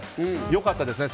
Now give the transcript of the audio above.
良かったですね